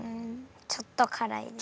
ちょっとからい。